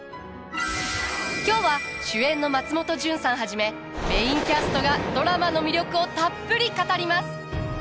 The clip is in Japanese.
今日は主演の松本潤さんはじめメインキャストがドラマの魅力をたっぷり語ります。